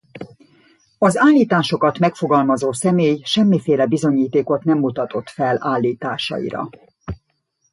Az állításokat megfogalmazó személy semmiféle bizonyítékot nem mutatott fel állításaira.